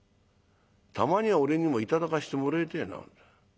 たまには俺にも頂かしてもれえてえな。